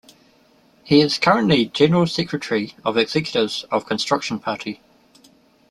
He is currently General Secretary of Executives of Construction Party.